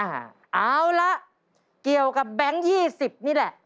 เอาละเกี่ยวกับแบงค์๒๐นี่แหละ